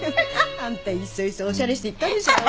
あんたいそいそおしゃれして行ったんでしょう？